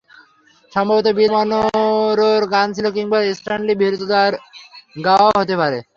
সম্ভবত বিল মনরোর গান ছিল, কিংবা স্ট্যানলি ভ্রাতৃদ্বয়ের গাওয়াও হতে পারে।